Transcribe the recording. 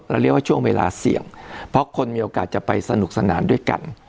เรียกว่าช่วงเวลาเสี่ยงเพราะคนมีโอกาสจะไปสนุกสนานด้วยกัน